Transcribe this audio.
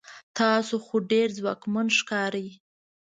تاسو خو ډیر ځواکمن ښکارئ